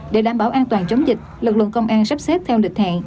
để đảm bảo an toàn chống dịch lực lượng công an sắp xếp theo lịch hẹn